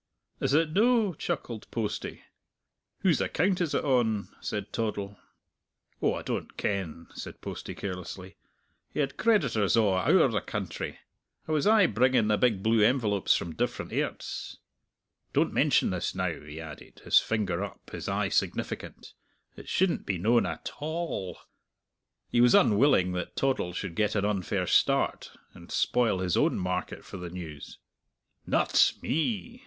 "Is it no'?" chuckled Postie. "Whose account is it on?" said Toddle. "Oh, I don't ken," said Postie carelessly. "He had creditors a' owre the country. I was ay bringing the big blue envelopes from different airts. Don't mention this, now," he added, his finger up, his eye significant; "it shouldn't be known at a all." He was unwilling that Toddle should get an unfair start, and spoil his own market for the news. "Nut me!"